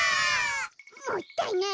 もったいない。